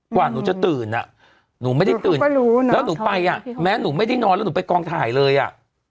กว่าหนูจะตื่นอ่ะหนูไม่ได้ตื่นก็รู้แล้วหนูไปอ่ะแม้หนูไม่ได้นอนแล้วหนูไปกองถ่ายเลยอ่ะ